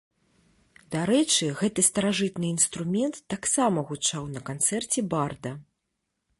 Дарэчы, гэты старажытны інструмент таксама гучаў на канцэрце барда.